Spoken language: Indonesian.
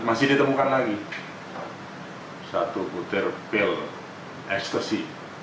masih ditemukan lagi satu butir pil ekstasi